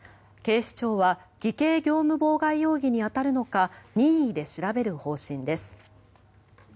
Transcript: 警視庁は偽計業務妨害容疑に当たるのか任意で調べる方針です。